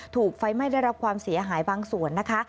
ถูกไฟไหม้ได้รับความเสียหายบางส่วนนะคะ